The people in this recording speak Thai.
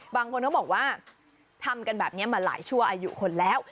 บางคนเขาบอกว่าทำกันแบบนี้มาหลายชั่วอายุคนแล้ว